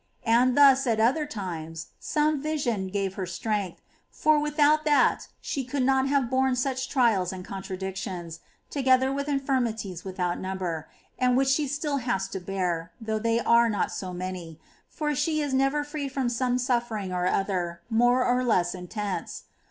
And thus, at other times, some vision gave her strength, for without that she could not have borne such great trials and contradictions, together with infirmities without number, and which she still has to bear, though they are not so many^ — for she is never free from some suffering or other, more or less intense.